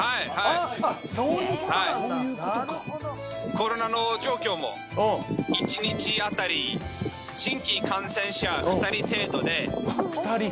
コロナの状況も１日当たり新規感染者２人程度で。